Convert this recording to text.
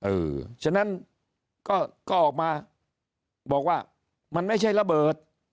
ฉะนั้นก็ออกมาบอกว่ามันไม่ใช่ระเบิด